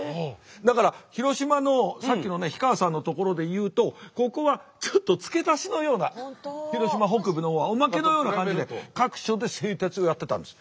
だから広島のさっきのね火川さんの所で言うとここはちょっと付け足しのような広島北部の方はおまけのような感じで各所で製鉄をやってたんです。